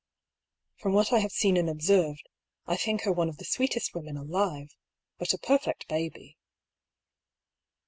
From what I have seen and observed, I think her one of the sweetest women alive, but a perfect baby."